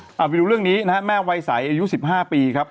เออเอาไปดูเรื่องนี้นะครับแม่วัยสายอายุ๑๕ปีครับ